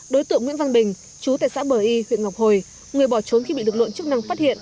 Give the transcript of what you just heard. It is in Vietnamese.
đối tượng nguyễn văn bình chú tại xã bờ y huyện ngọc hồi người bỏ trốn khi bị lực lượng chức năng phát hiện